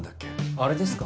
あれですか？